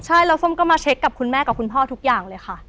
ใช่แล้วส้มก็มาเช็คกับคุณแม่กับคุณพ่อทุกอย่างเลยค่ะ